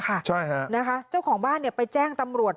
ก็อยู่ไม่สุขแล้วค่ะใช่ฮะนะคะเจ้าของบ้านเนี่ยไปแจ้งตำรวจ